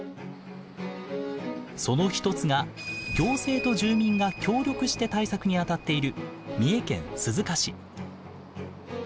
その一つが行政と住民が協力して対策に当たっている三重県鈴鹿市。